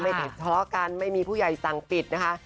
ไม่แต่เพราะกันไม่มีผู้ใหญ่สังปิดนะคะ